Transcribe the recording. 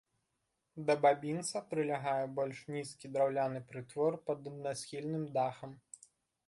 Да бабінца прылягае больш нізкі драўляны прытвор пад аднасхільным дахам.